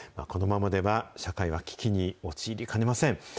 このままでは社会が危機に陥りかねません。